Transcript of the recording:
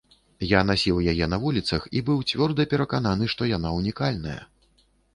Я насіў яе на вуліцах і быў цвёрда перакананы, што яна ўнікальная.